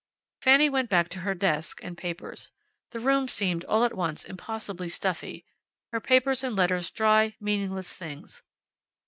Fanny went back to her desk and papers. The room seemed all at once impossibly stuffy, her papers and letters dry, meaningless things.